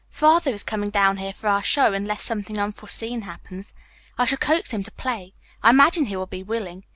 Father is coming down here for our show, unless something unforeseen happens. I shall coax him to play. I imagine he will be willing.